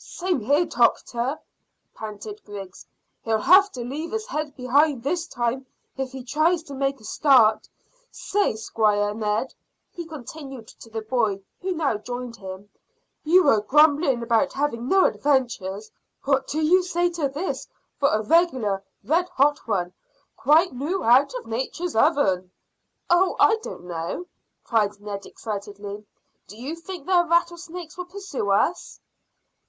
"Same here, doctor," panted Griggs. "He'll have to leave his head behind this time if he tries to make a start. Say, Squire Ned," he continued to the boy, who now joined him, "you were grumbling about having no adventures. What do you say to this for a regular red hot one, quite noo out of nature's oven?" "Oh, I don't know," cried Ned excitedly. "Do you think the rattlesnakes will pursue us?"